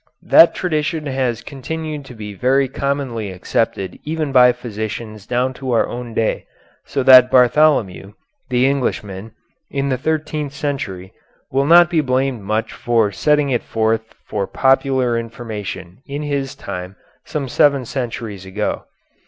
That tradition has continued to be very commonly accepted even by physicians down to our own day, so that Bartholomew, the Englishman, in the thirteenth century, will not be blamed much for setting it forth for popular information in his time some seven centuries ago.